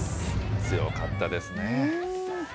強かったですね。